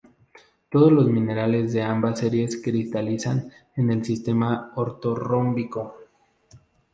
Todos los minerales de ambas series cristalizan en el sistema ortorrómbico.